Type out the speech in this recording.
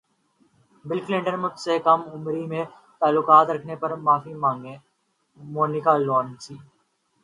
بل Clinton مجھ سے کم عمری میں تعلقات رکھنے پر معافی مانگیں مونیکا لیونسکی